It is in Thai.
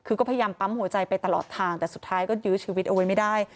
คือก็พยายามปั๊มหัวใจไปตลอดทางแต่สุดท้ายก็ยื้อชีวิตเอาไว้ไม่ได้